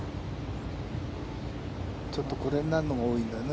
ちょっとこれになるのが多いんだよね。